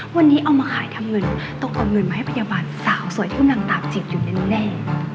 วันนี้เอามาขายทำเงินต้องเอาเงินมาให้พยาบาลสาวสวยที่กำลังตามจิตอยู่แน่